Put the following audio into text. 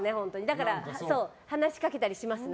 だから、話しかけたりしますね。